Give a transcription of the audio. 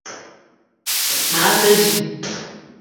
Maa te ding